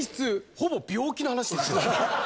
ほぼ病気の話ですから。